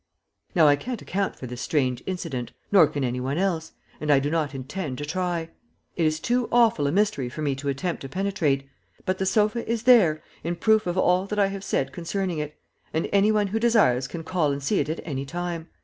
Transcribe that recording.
_ Now I can't account for this strange incident, nor can any one else, and I do not intend to try. It is too awful a mystery for me to attempt to penetrate, but the sofa is there in proof of all that I have said concerning it, and any one who desires can call and see it at any time.